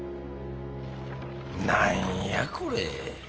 何やこれ。